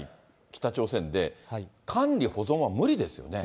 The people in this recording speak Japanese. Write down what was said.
北朝鮮で、管理・保存は無理ですよね。